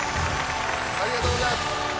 ありがとうございます。